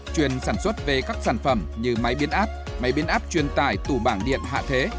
chuyên sản xuất về các sản phẩm như máy biến áp máy biến áp truyền tải tủ bảng điện hạ thế